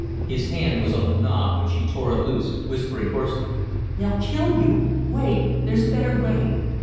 His hand was on the knob when she tore it loose, whispering hoarsely: "They'll kill you. Wait! There's a better way.